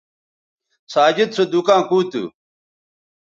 ساجد سو دُکاں کُو تھو